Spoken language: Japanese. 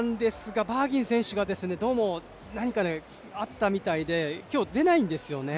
バーギン選手がどうも何かあったみたいで今日、出ないんですよね。